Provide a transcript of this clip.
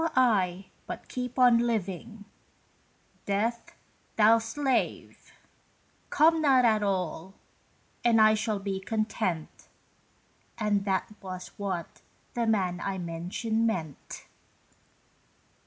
So I but keep on living. Death, thou slave! Come not at all, and I shall be content." And that was what the man I mention meant.